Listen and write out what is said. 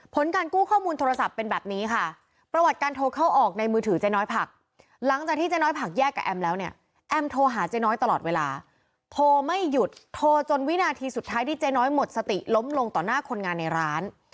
การกู้ข้อมูลโทรศัพท์เป็นแบบนี้ค่ะประวัติการโทรเข้าออกในมือถือเจ๊น้อยผักหลังจากที่เจ๊น้อยผักแยกกับแอมแล้วเนี่ยแอมโทรหาเจ๊น้อยตลอดเวลาโทรไม่หยุดโทรจนวินาทีสุดท้ายที่เจ๊น้อยหมดสติล้มลงต่อหน้าคนงานในร้าน